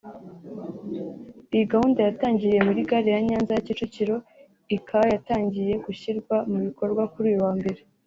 Iyi gahunda yatangiriye muri gare ya Nyanza ya Kicukiro ika yatangiye gushyirwa mu bikorwa kuri uyu wa mbere